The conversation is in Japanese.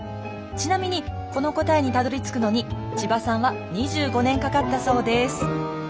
ちなみにこの答えにたどりつくのに千葉さんは２５年かかったそうです。